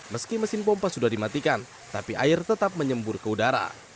meski mesin pompa sudah dimatikan tapi air tetap menyembur ke udara